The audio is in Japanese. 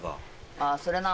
あそれな。